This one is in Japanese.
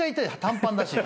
短パンだし。